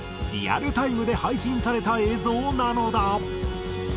リアルタイムで配信された映像なのだ。